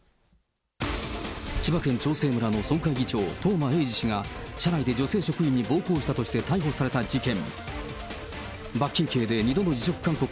千葉県長生村の村会議長、東間永次氏が車内で女性職員に暴行したとして逮捕された事件。